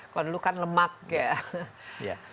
kalau dulu kan lemak ya